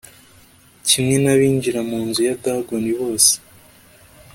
kimwe n'abinjira mu nzu ya dagoni bose